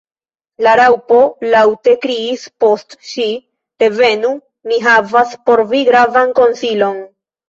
La Raŭpo laŭte kriis post ŝi. "Revenu! mi havas por vi gravan konsilon."